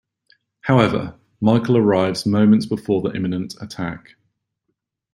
However, Michael arrives moments before the imminent attack.